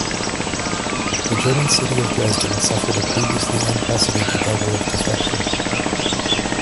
The German city of Dresden suffered a previously unprecedented level of destruction.